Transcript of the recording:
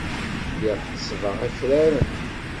Lliɣ ḥessbeɣ akraren.